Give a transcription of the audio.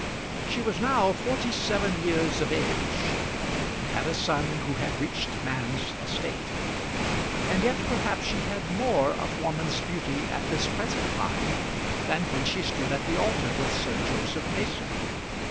She was now forty seven years of age, and had a son who had reached man's estate; and yet perhaps she had more of woman's beauty at this present time than when she stood at the altar with Sir Joseph Mason.